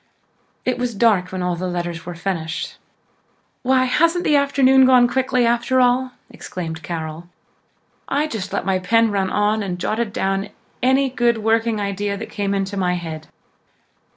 It was dusk when all the letters were finished. "Why, hasn't the afternoon gone quickly after all!" exclaimed Carol. "I just let my pen run on and jotted down any good working idea that came into my head.